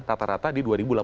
rata rata di dunia